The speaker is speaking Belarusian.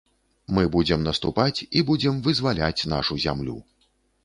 Мы будзем наступаць і будзем вызваляць нашу зямлю.